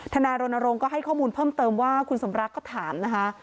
นายรณรงค์ก็ให้ข้อมูลเพิ่มเติมว่าคุณสมรักก็ถามนะคะ